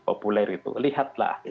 populer itu lihatlah